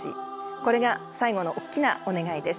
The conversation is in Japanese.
これが最後のおっきなお願いです。